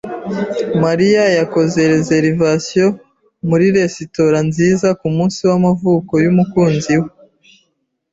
Mariya yakoze reservation muri resitora nziza kumunsi w'amavuko y'umukunzi we.